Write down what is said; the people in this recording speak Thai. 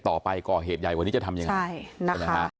ต่อไปก่อเหตุใยวันนี้จะทำยังไงใช่นะคะ